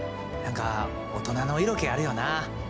何か大人の色気あるよな。